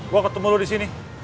gue ketemu lo di sini